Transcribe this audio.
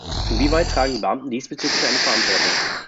Inwieweit tragen die Beamten diesbezüglich eine Verantwortung?